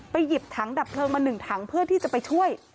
หยิบถังดับเพลิงมา๑ถังเพื่อที่จะไปช่วย